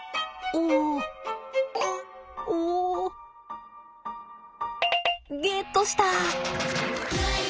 おお！ゲットした！